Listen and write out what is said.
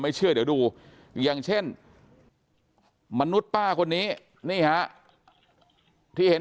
ไม่เชื่อเดี๋ยวดูอย่างเช่นมนุษย์ปลากว่านี้นี่ค่ะพี่เห็น